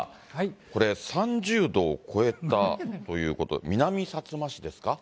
これ、３０度を超えたということ、南さつま市ですか。